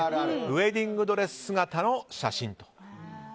ウェディングドレス姿の写真。